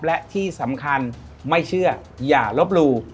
และที่สำคัญไม่เชื่ออย่าลบหลู่